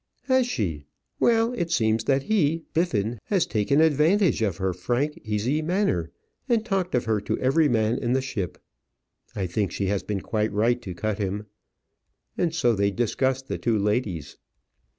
"Has she? Well! It seems that he, Biffin, has taken advantage of her frank, easy manner, and talked of her to every man in the ship. I think she has been quite right to cut him." And so they discussed the two ladies.